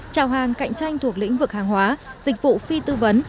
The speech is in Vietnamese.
trào hàng cạnh tranh thuộc lĩnh vực hàng hóa dịch vụ phi tư vấn